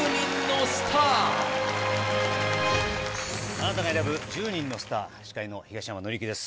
『あなたが選ぶ１０人のスター』司会の東山紀之です。